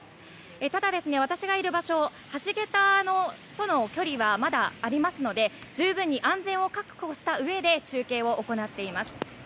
ただ、私がいる場所橋げたとの距離はまだありますので十分に安全を確保したうえで中継を行っています。